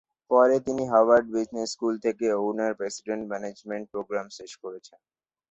পরে, তিনি Harvard Business School থেকে অউনার-প্রেসিডেন্ট ম্যানেজমেন্ট প্রোগ্রাম শেষ করেছেন।